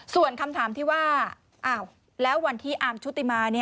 ส่วนคำถามที่ว่าอ้าวแล้ววันที่อาร์มชุติมา